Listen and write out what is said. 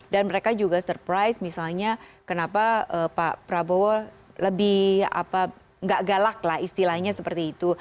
dan mereka juga surprise misalnya kenapa pak prabowo lebih gak galak lah istilahnya seperti itu